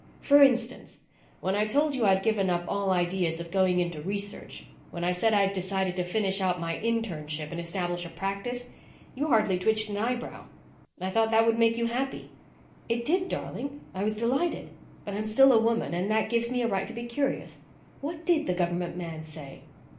"For instance, when I told you I'd given up all ideas of going into research, when I said I'd decided to finish out my internship and establish a practice, you hardly twitched an eyebrow. I thought that would make you happy." "It did, darling. I was delighted. But I'm still a woman and that gives me a right to be curious. What did the government man say?"